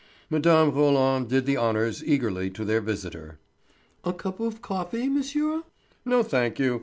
Mme. Roland did the honours eagerly to their visitor. "A cup of coffee, monsieur?" "No, thank you.